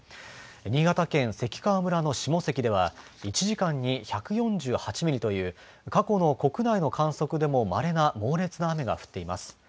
新潟県関川村の下関では１時間に１４８ミリという過去の国内の観測でもまれな猛烈な雨が降っています。